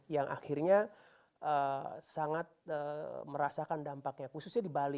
yang akhirnya sangat merasakan dampaknya khususnya di bali